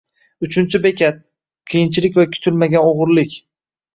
Uchinchi bekat: Qiyinchilik va kutilmagan o’g’irlik